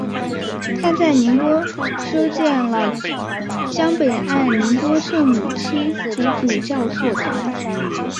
他在宁波修建了江北岸宁波圣母七苦主教座堂。